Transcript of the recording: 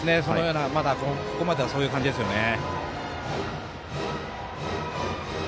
ここまではそういう感じですよね。